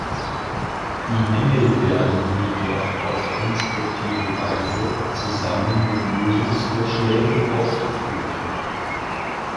Die Mängel werden jedoch auf konstruktive Weise zusammen mit Lösungsvorschlägen aufgeführt.